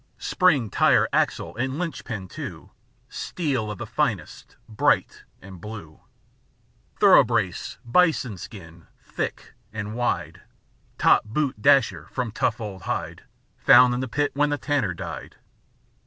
Spring, tire, axle, and linch pin too, Steel of the finest, bright and blue; Thorough broke bison skin, thick and wide; Boot, top, dasher, from tough old hide Found in the pit when the tanner died.